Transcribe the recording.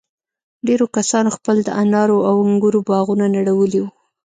ډېرو کسانو خپل د انارو او انگورو باغونه نړولي وو.